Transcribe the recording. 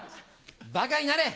バカになれ。